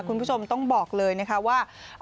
คุณผู้ชมต้องบอกเลยนะคะว่า